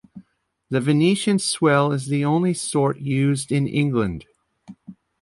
The Venetian swell is the only sort used in England.